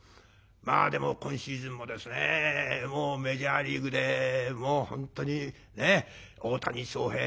まあでも今シーズンもですねメジャーリーグでもう本当にね大谷翔平